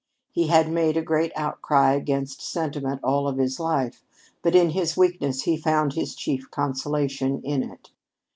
He had made a great outcry against sentiment all of his life, but in his weakness he found his chief consolation in it.